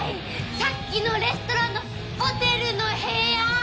さっきのレストランのホテルの部屋！